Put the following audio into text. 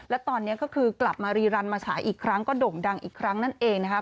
และตอนนี้ก็คือกลับมารีรันมาฉายอีกครั้งก็โด่งดังอีกครั้งนั่นเองนะครับ